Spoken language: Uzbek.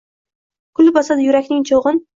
Kul bosadi yurakning choʼgʼin.